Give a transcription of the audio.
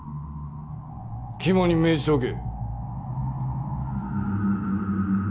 肝に銘じておけ。